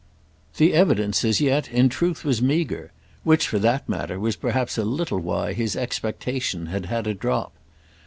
The evidence as yet in truth was meagre; which, for that matter, was perhaps a little why his expectation had had a drop.